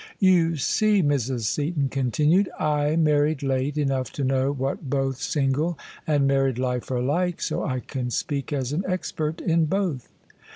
" You see," Mrs. Seaton continued, " I married late enough to know what both single and married life are like, so I can speak as an expert in both."